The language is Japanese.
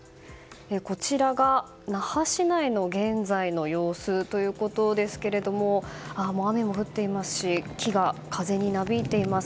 こちらが那覇市内の現在の様子ということですが雨も降っていますし木が風になびいています。